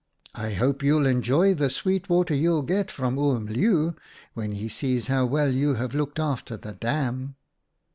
' I hope you'll enjoy the sweet water you'll get from Oom Leeuw when he sees how well you have looked after the dam.'